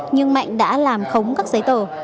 nhưng mạnh đã làm khống các giấy tờ